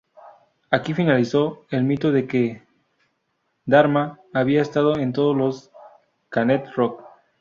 Aquí finalizó el mito de que Dharma había estado en todos los Canet Rock.